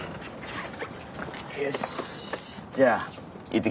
はい。